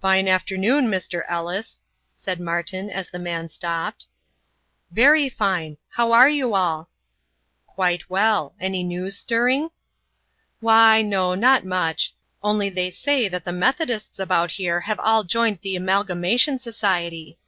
"Fine afternoon, Mr. Ellis," said Martin, as the man stopped. "Very fine. How are you all?" "Quite well. Any news stirring?" "Why, no, not much. Only they say that the Methodists about here have all joined the Amalgamation Society."